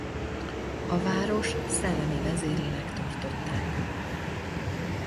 A város szellemi vezérének tartották.